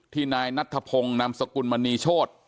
นายนัทธพงศ์นามสกุลมณีโชธ